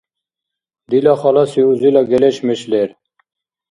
Дила халаси узила гелешмеш лер